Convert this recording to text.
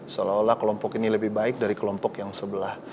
seolah olah kelompok ini lebih baik dari kelompok yang sebelah